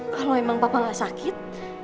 kalau emang papa gak sakit